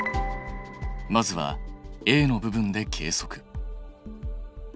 まずはＡの部分で計測。